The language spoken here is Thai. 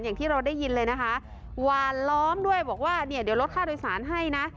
อย่างที่เราได้ยินเลยนะคะหวานล้อมด้วยบอกว่าเนี่ยเดี๋ยวลดค่าโดยสารให้นะ